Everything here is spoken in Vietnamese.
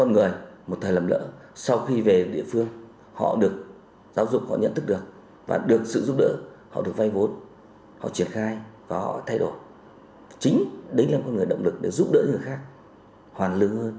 giúp đỡ người khác hoàn lưu hơn